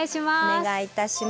お願いいたします。